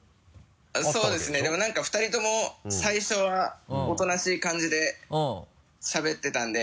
そうですねでも何か２人とも最初はおとなしい感じでしゃべってたんで。